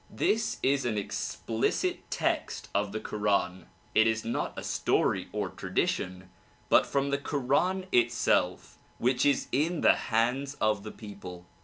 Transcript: This is an explicit text of the koran; it is not a story or tradition but from the koran itself which is in the hands of the people.